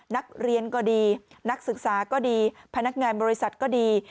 นักเรียนก็ดีนักศึกษาก็ดีพนักงานบริษัทก็ดี